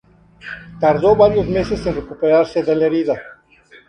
Tardó varios meses en recuperarse de la herida.